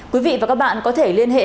quý vị và các bạn có thể liên hệ